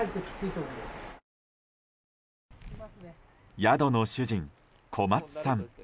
宿の主人、小松さん。